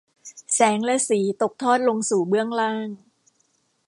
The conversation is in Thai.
แสงและสีตกทอดลงสู่เบื้องล่าง